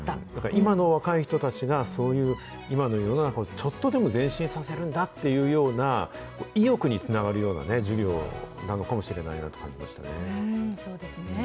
今の若い人たちが、そういう今の世の中をちょっとでも前進させるんだというような、意欲につながるようなね、授業なのかもしそうですね。